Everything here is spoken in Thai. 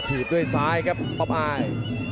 ถีบด้วยซ้ายครับป๊อปอาย